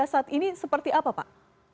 saat ini seperti apa pak